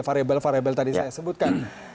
variable variable tadi saya sebutkan